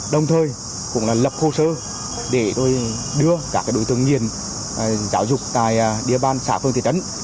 đồng thời cũng là lập hồ sơ để đưa các đối tượng nhìn giáo dục tại địa bàn xã phương thị trấn